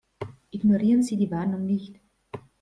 Ignorieren Sie die Warnung nicht.